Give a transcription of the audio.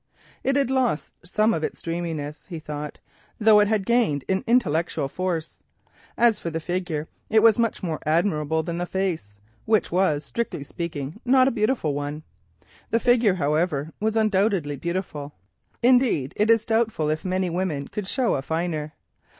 It had lost some of its dreaminess, he thought, though it had gained in intellectual force. As for the figure, it was much more admirable than the face, which was strictly speaking not a beautiful one. The figure, however, was undoubtedly beautiful, indeed, it is doubtful if many women could show a finer.